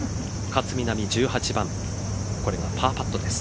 勝みなみ１８番これがパーパットです。